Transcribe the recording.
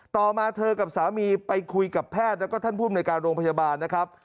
ต่อมาเธอกับสามีไปคุยกับแพทย์แล้วก็ท่านภูมิในการโรงพยาบาลนะครับ